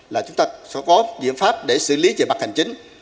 là chúng ta sẽ có biện pháp để xử lý về mặt hành chính